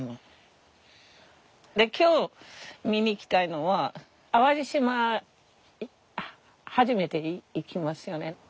今日見に行きたいのは淡路島初めて行きますよね。